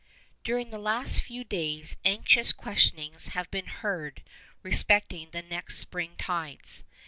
_ During the last few days anxious questionings have been heard respecting the next spring tides.